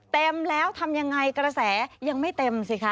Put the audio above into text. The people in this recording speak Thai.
เต็มแล้วทำยังไงกระแสยังไม่เต็มสิคะ